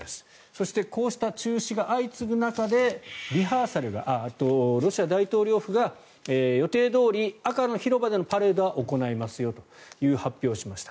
そしてこうした中止が相次ぐ中でロシア大統領府が予定どおり赤の広場でのパレードは行いますよという発表をしました。